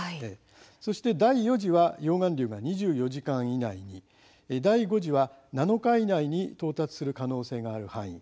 そして第４次は溶岩流が２４時間以内に第５次は７日以内に到達する可能性のある範囲